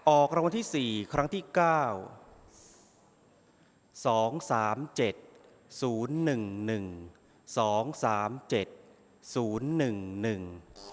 ออกรางวัลที่สี่ครั้งที่เก้าสองสามเจ็ดศูนย์หนึ่งหนึ่งสองสามเจ็ดศูนย์หนึ่งหนึ่ง